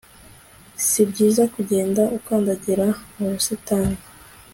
si byiza kugenda ukandagira mubusitani